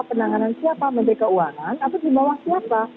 penanganan siapa menteri keuangan atau di bawah siapa